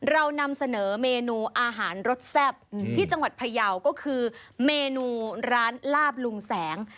เรานำเสนอเมนูอาหารรสแซ่บที่จังหวัดพยาวก็คือเมนูร้านลาบลุงแสง